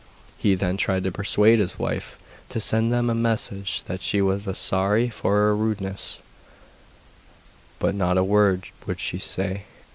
He then tried to persuade his wife to send them a message that she was sorry for her rudeness, but not a word would she say.